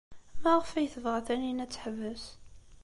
Maɣef ay tebɣa Taninna ad teḥbes?